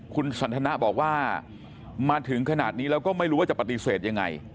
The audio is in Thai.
คุณสันทนะบอกว่ามาถึงขนาดนี้แล้วก็ไม่รู้ว่าจะปฏิเสธยังไง